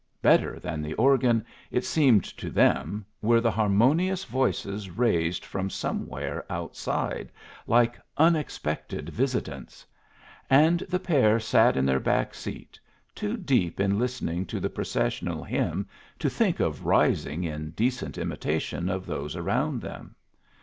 Better than the organ, it seemed to them, were the harmonious voices raised from somewhere outside, like unexpected visitants; and the pair sat in their back seat, too deep in listening to the processional hymn to think of rising in decent imitation of those around them.